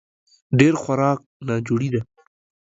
ډېر خوراک ناجوړي ده